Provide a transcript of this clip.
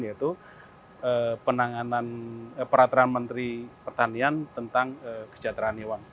yaitu peraturan menteri pertanian tentang kesejahteraan hewan